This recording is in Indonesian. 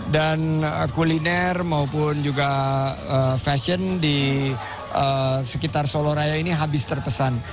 dan kuliner maupun juga fashion di sekitar solo raya ini habis terpesan